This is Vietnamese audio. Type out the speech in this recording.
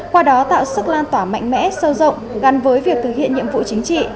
qua đó tạo sức lan tỏa mạnh mẽ sâu rộng gắn với việc thực hiện nhiệm vụ chính trị